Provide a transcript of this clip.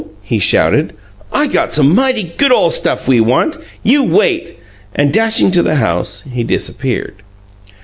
he shouted. "I got some mighty good ole stuff we want. You wait!" And, dashing to the house, he disappeared.